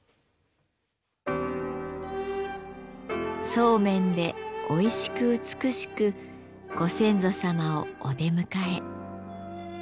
そうめんでおいしく美しくご先祖様をお出迎え。